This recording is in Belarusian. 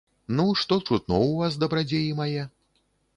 Ну, што чутно ў вас, дабрадзеі мае?